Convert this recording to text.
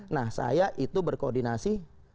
nah saya itu berkoordinasi